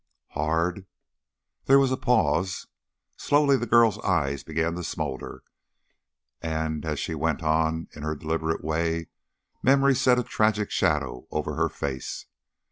"Hard!" There was a pause; slowly the girl's eyes began to smolder, and as she went on in her deliberate way, memory set a tragic shadow over her face.